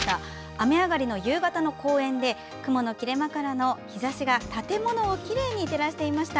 雨上がりの夕方の公園で雲の切れ間からの日ざしが建物をきれいに照らしていました。